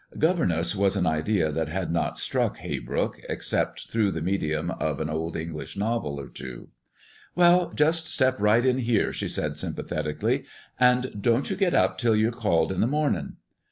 "Governess" was an idea that had not struck Haybrook, except through the medium of an old English novel or two. "Well, just step right in here," she said, sympathetically; "and don't you get up till ye're called in the mornin'."